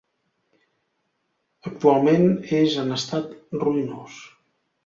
Actualment és en estat ruïnós.